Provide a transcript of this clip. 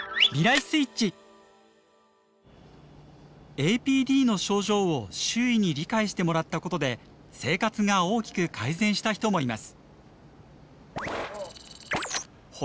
ＡＰＤの症状を周囲に理解してもらったことで生活が大きく改善した人もいます。